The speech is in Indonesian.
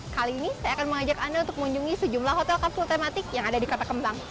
kali ini saya akan mengajak anda untuk mengunjungi sejumlah hotel kapsul tematik yang ada di kota kembang